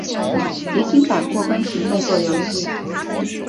即清版过关型动作游戏。